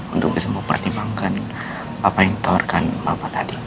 untuk bisa mempertimbangkan apa yang ditawarkan bapak tadi